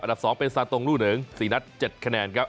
อันดับ๒เป็นสารตรงรุ่นเหลือง๔นัด๗คะแนนครับ